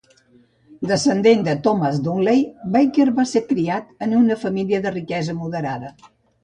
Descendent de Thomas Dudley, Baker va ser criat en una família de riquesa moderada.